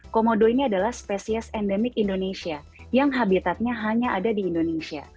komodo ini adalah spesies endemik indonesia yang habitatnya hanya ada di indonesia